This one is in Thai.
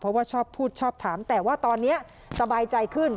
เพราะว่าชอบพูดชอบถามแต่ว่าตอนนี้สบายใจขึ้น